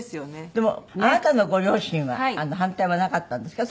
でもあなたのご両親は反対はなかったんですか？